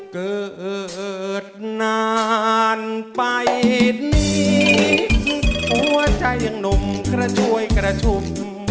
เกิดนานไปนี้หัวใจยังหนุ่มกระชวยกระชุม